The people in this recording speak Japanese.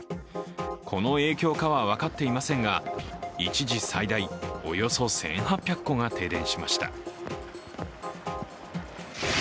この影響かは分かっていませんが一時最大およそ１８００戸が停電しました。